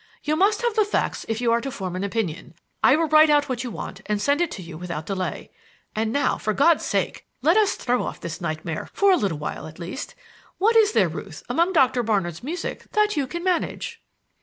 You must have the facts if you are to form an opinion. I will write out what you want and send it to you without delay. And now, for God's sake, let us throw off this nightmare, for a little while, at least! What is there, Ruth, among Doctor Barnard's music that you can manage?"